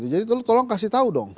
jadi tolong kasih tahu dong